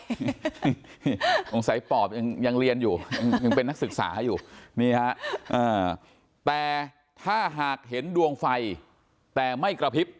สงสัยปอบยังเรียนอยู่ยังเป็นนักศึกษาอยู่นี่ฮะแต่ถ้าหากเห็นดวงไฟแต่ไม่กระพริบ